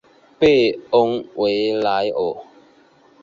贝恩维莱尔。